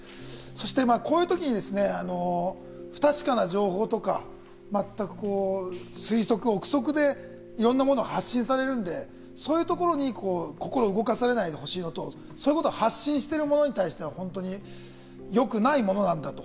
そしてこういう時に不確かな情報とか、まったく推測・臆測で、いろんなものが発信されるんで、そういうところに心を動かされないでほしいのと、そういうことを発信しているものに対して、よくないものなんだと。